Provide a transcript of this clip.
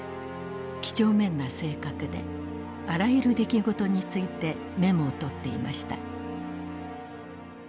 几帳面な性格であらゆる出来事についてメモを取っていました。